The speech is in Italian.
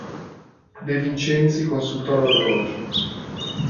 De Vincenzi consultò l'orologio.